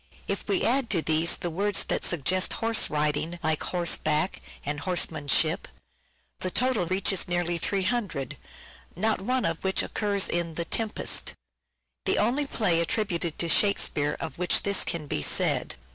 If we add to these the words that suggest horse riding, like " horseback " and "horsemanship," the total reaches nearly 300, not one of which occurs in " The Tempest "— the only play attributed to " Shakespeare " of which this can be said.